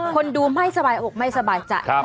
คนดูไม่สบายอกไม่สบายใจ